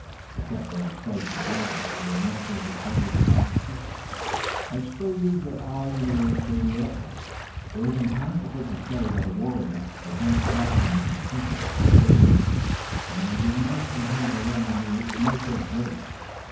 They kept very close together, while their muscles recovered elasticity, and still used their eyes and ears to the utmost. It was impossible to say that a warrior was not near crouching in the thicket as they were, and they did not intend to run any useless risk.